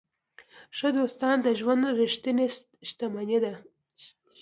ښه دوستان د ژوند ریښتینې شتمني ده.